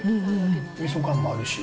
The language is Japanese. みそ感もあるし。